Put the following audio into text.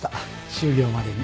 終業までに。